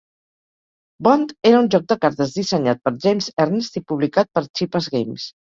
Bond era un joc de cartes dissenyat per James Ernest i publicat per Cheapass Games.